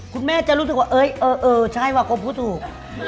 คุณแม่จะรู้สึกว่าเอ้ยเออใช่ว่ากลมพูดถูก